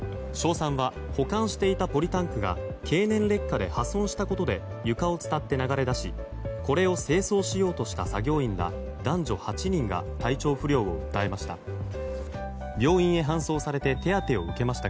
硝酸は保管していたポリタンクが経年劣化で破損したことで床を伝って流れ出しこれを清掃しようとした作業員ら男女８人が体調不良を訴えました。